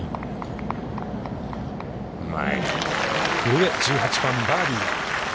古江、１８番バーディー。